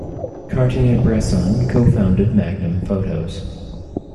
Cartier-Bresson co-founded Magnum Photos.